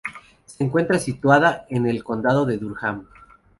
Se encuentra situada en el Condado de Durham.